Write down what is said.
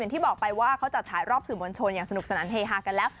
ที่บอกไปว่าเขาจัดฉายรอบสื่อมวลชนอย่างสนุกสนานเฮฮากันแล้ว